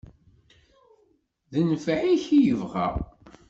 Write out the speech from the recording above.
D nfeɛ-ik i yebɣa.